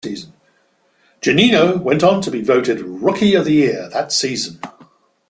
Juninho went on to be voted "Rookie of the Year" that season.